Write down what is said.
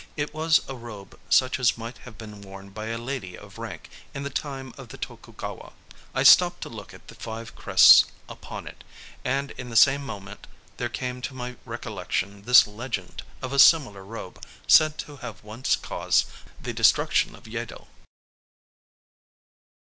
It was a robe such as might have been worn by a lady of rank in the time of the Tokugawa. I stopped to look at the five crests upon it; and in the same moment there came to my recollection this legend of a similar robe said to have once caused the destruction of Yedo.